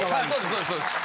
そうですそうです。